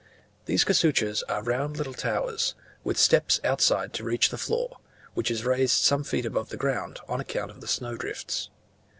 These casuchas are round little towers, with steps outside to reach the floor, which is raised some feet above the ground on account of the snow drifts.